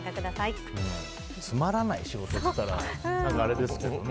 つまらない仕事といったらあれですけどね。